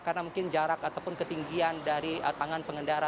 karena mungkin jarak ataupun ketinggian dari tangan pengendara